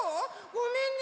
ごめんね！